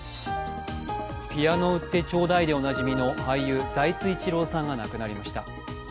「ピアノ売ってちょうだい！」でおなじみの俳優・財津一郎さんが亡くなりました。